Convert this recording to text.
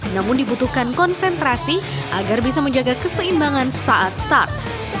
namun dibutuhkan konsentrasi agar bisa menjaga keseimbangan saat start